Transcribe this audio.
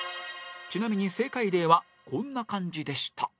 ちなみに正解例はこんな感じでした